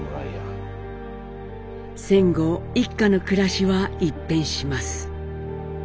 戦後一家の暮らしは一変します。